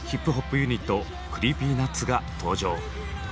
ユニットＣｒｅｅｐｙＮｕｔｓが登場。